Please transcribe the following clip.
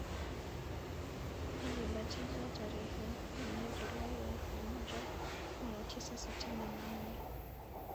Alibatizwa tarehe nne julai elfu moja mia tisa sitini na nne